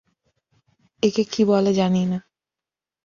একে কী বলে জানি না।